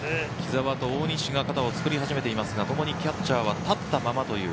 木澤と大西が肩を作り始めていますが共にキャッチャーは立ったまま。